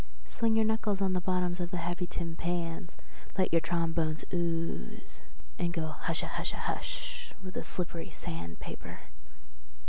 Sling your knuckles on the bottoms of the happy tin pans, let your trombones ooze, and go hushahusha hush with the slippery sand paper.